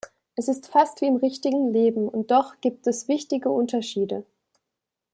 Es ist fast wie im richtigen Leben, und doch gibt es wichtige Unterschiede.